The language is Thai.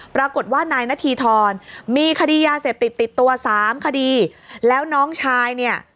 ปรากฏว่านายนาธีทรมีคดียาเสพติดติดตัวสามคดีแล้วน้องชายเนี่ย